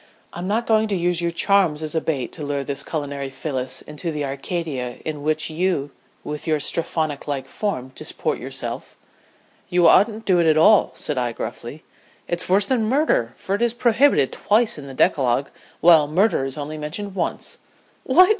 "I'm not going to use your charms as a bait to lure this culinary Phyllis into the Arcadia in which you with your Strephonlike form disport yourself." "You oughtn't to do it at all," said I, gruffly. "It's worse than murder, for it is prohibited twice in the decalogue, while murder is only mentioned once." "What!"